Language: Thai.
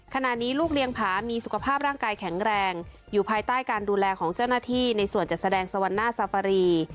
ขณะนี้ลูกเลี้ยงผามีสุขภาพร่างกายแข็งแรงอยู่ภายใต้การดูแลของเจ้าหน้าที่ในส่วนจัดแสดงสวรรณาซาฟารี